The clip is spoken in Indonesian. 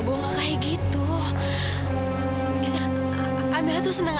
ibu ngomong kayak gitu amir tuh senang banget